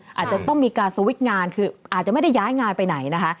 อาจจะต้องมีการสวิตช์งานคืออาจจะไม่ได้ย้ายงานไปไหนนะคะ